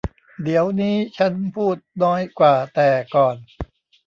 เดี๋ยวนี้ฉันพูดน้อยกว่าแต่ก่อน